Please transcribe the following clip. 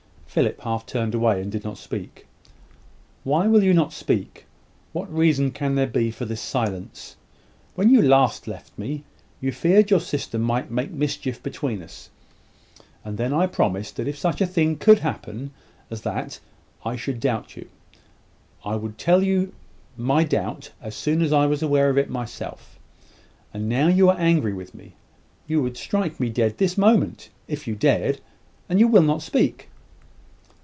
Philip half turned away and did not speak. "Why will not you speak? What reason can there be for this silence? When you last left me, you feared your sister might make mischief between us; and then I promised that if such a thing could happen as that I should doubt you, I would tell you my doubt as soon as I was aware of it myself; and now you are angry with me you would strike me dead this moment, if you dared and you will not speak."